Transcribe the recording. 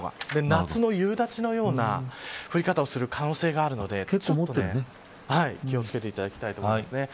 夏の夕立のような降り方をする可能性があるので気を付けていただきたいと思います。